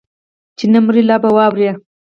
چې نه مرې لا به واورې